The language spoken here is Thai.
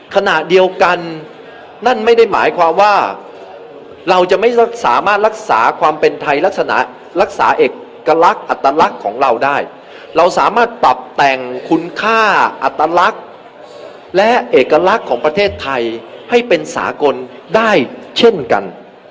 ขณะเดียวกันนั่นไม่ได้หมายความว่าเราจะไม่สามารถรักษาความเป็นไทยลักษณะรักษาเอกลักษณ์อัตลักษณ์ของเราได้เราสามารถปรับแต่งคุณค่าอัตลักษณ์และเอกลักษณ์ของประเทศไทยให้เป็นสากลได้เช่นกัน